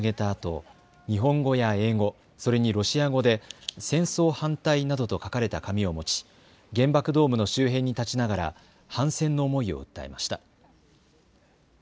あと日本語や英語、それにロシア語で戦争反対などと書かれた紙を持ち原爆ドームの周辺に立ちながら反戦の思いを訴えました。